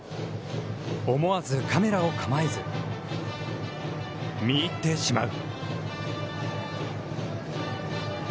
思わずカメラを構えず、見入ってしまう。